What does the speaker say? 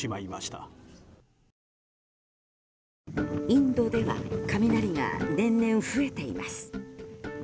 インドでは雷が年々増えています。